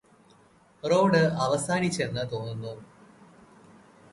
road അവസാനിച്ചെന്നു തോന്നുന്നു